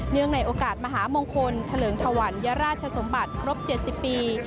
เนื่องในโอกาสมหามงคลเฉลิมถวรรยราชสมบัติครบ๗๐ปี